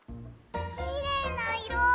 きれいないろ。